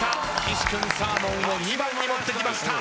岸君サーモンを２番に持ってきました。